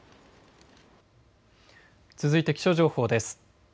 続いて気象情報です。